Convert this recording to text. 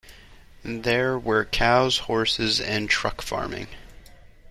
There were cows, horses and truck farming.